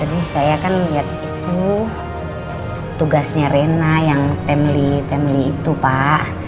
tadi saya kan lihat itu tugasnya rena yang itu pak